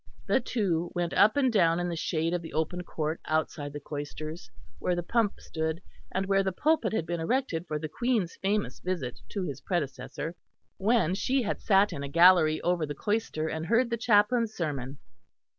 The two went up and down in the shade in the open court outside the cloisters, where the pump stood, and where the pulpit had been erected for the Queen's famous visit to his predecessor; when she had sat in a gallery over the cloister and heard the chaplain's sermon.